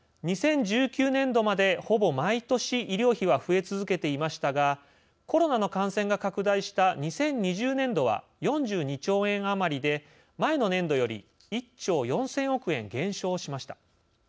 ２０１９年度まで、ほぼ毎年医療費は増え続けていましたがコロナの感染が拡大した２０２０年度は４２兆円余りで前の年度より１兆４０００億円減少しました。